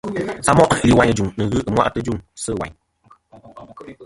Samoʼ lìwàyn î jùŋ nɨ̀ ghɨ ɨmwaʼtɨ ɨ jûŋ sɨ̂ wàyn.